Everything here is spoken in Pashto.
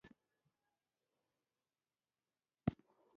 بريا د هغه چا په برخه کېږي چې د ګټلو فکر لري.